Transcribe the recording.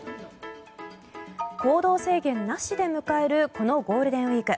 行動制限なしで迎えるこのゴールデンウィーク。